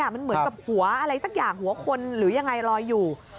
มันเหมือนกับหัวอะไรสักอย่างหัวคนหรือยังไงลอยอยู่